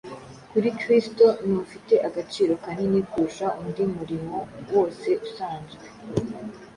kuri Kristo ntufite agaciro kanini kurusha undi murimo wose usanzwe?